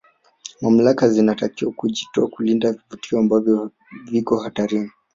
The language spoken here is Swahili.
mamlaka zinatakiwa kuujitoa kulinda vivutio ambavyo viko hatarini